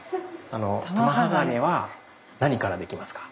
あの玉鋼は何からできますか？